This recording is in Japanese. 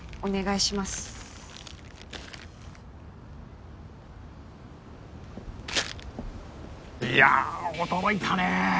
いや驚いたね。